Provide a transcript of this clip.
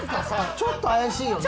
ちょっと怪しいよね。